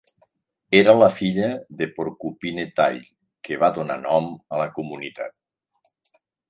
Era la filla de Porcupine Tail, que va donar nom a la comunitat.